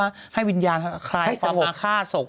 แล้วงานนี้ฟังพระครับ